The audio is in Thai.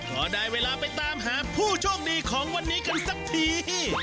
ก็ได้เวลาไปตามหาผู้โชคดีของวันนี้กันสักที